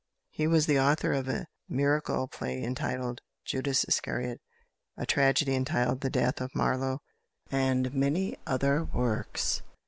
He was the author of a miracle play entitled "Judas Iscariot," a tragedy entitled "The Death of Marlowe," and many other works.